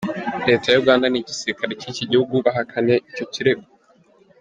Leta ya Uganda n'igisirikare cy'iki gihugu bahakana icyo kirego.